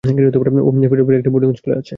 ও ফিলাডেলফিয়ায় একটা বোর্ডিং স্কুলে আছে।